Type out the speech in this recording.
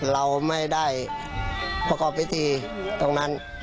เราไม่ได้ประกอบพิธีตรงนั้น